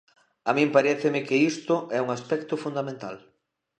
A min paréceme que isto é un aspecto fundamental.